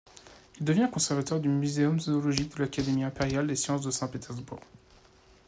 Il devient conservateur du Muséum zoologique de l'Académie impériale des sciences de Saint-Pétersbourg.